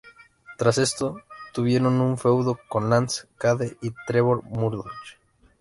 Tras esto tuvieron un feudo con Lance Cade y Trevor Murdoch.